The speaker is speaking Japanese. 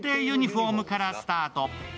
ユニフォームからスタート。